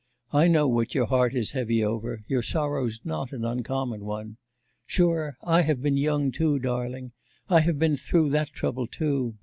I know what your heart is heavy over; your sorrow's not an uncommon one. Sure, I have been young too, darling. I have been through that trouble too.